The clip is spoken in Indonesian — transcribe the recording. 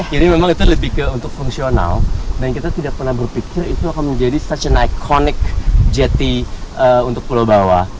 jadi memang itu lebih ke untuk fungsional dan kita tidak pernah berpikir itu akan menjadi jetty ikonik untuk pulau bawah